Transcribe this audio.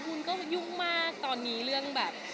คุณก็ยุ่งมากตอนนี้เรื่องแบบ